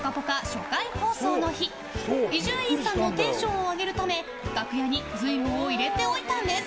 初回放送の日伊集院さんのテンションを上げるため楽屋に瑞夢を入れておいたんです。